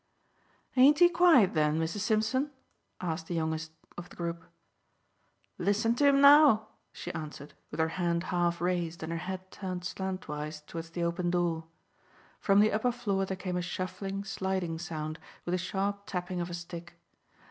"Ain't he quiet, then, Missus Simpson?" asked the youngest of the group. "Listen to him now," she answered, with her hand half raised and her head turned slantwise towards the open door. From the upper floor there came a shuffling, sliding sound with a sharp tapping of a stick.